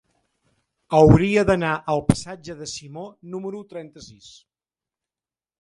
Hauria d'anar al passatge de Simó número trenta-sis.